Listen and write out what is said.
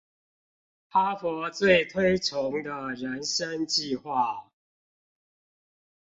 哈佛最推崇的人生計畫